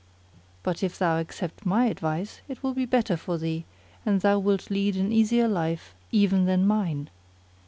But if thou accept my advice it will be better for thee and thou wilt lead an easier life even than mine.